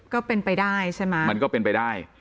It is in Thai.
ก็เป็นไปได้ใช่ไหมมันก็เป็นไปได้